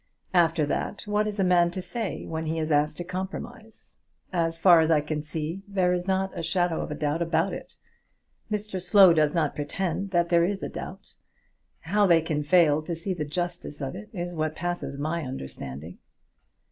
After that, what is a man to say when he is asked to compromise? As far as I can see, there is not a shadow of doubt about it. Mr Slow does not pretend that there is a doubt. How they can fail to see the justice of it is what passes my understanding!"